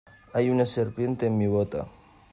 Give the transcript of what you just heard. Hay una serpiente en mi bota.